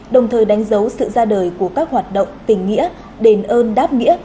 đồng thời đánh dấu sự ra đời của các hoạt động tình nghĩa đền ơn đáp nghĩa